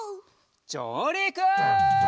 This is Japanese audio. じょうりく！